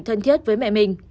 thân thiết với mẹ mình